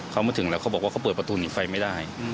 เขามาถึงแล้วเขาบอกว่าเขาเปิดประตูหนีไฟไม่ได้